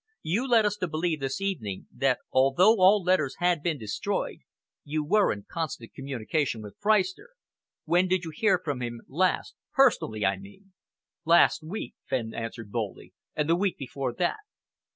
You led us to believe, this evening, that, although all letters had been destroyed, you were in constant communication with Freistner. When did you hear from him last personally, I mean?" "Last week," Fenn answered boldly, "and the week before that."